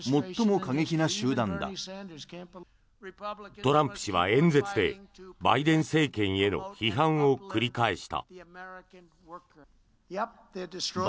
トランプ氏は演説でバイデン政権への批判を繰り返した。